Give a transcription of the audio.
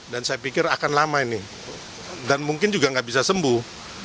dan saya pikir akan lama ini dan mungkin juga nggak bisa sembuh